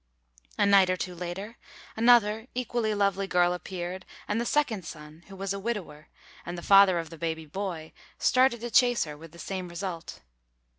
A night or two later, another equally lovely girl appeared, and the second son, who was a widower, and the father of the baby boy, started to chase her, with the same result.